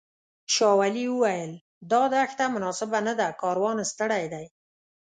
شاولي وویل دا دښته مناسبه نه ده کاروان ستړی دی.